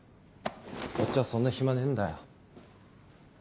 こっちはそんな暇ねえんだよ。